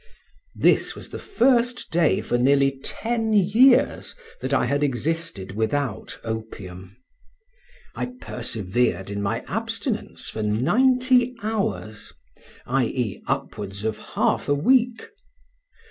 This was the first day for nearly ten years that I had existed without opium. I persevered in my abstinence for ninety hours; i.e., upwards of half a week.